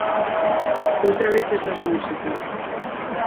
Outra vez esas músicas.